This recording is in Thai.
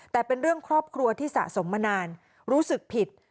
แต่เป็นเรื่องครอบครัวที่สะสมมานานรู้สึกผิด